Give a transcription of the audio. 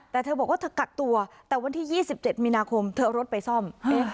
แต่เธอบอกว่าเธอกักตัวแต่วันที่๒๗มีนาคมเธอเอารถไปซ่อม